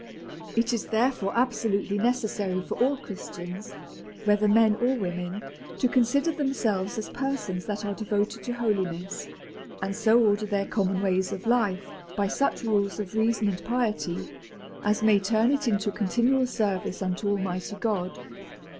It is therefore absolutely necessary for all Christians, whether men or women, to consider themselves as persons that are devoted to holiness ; and so order their common ways of life by such rules of reason and piety, as may turn it into continual service unto Almighty God.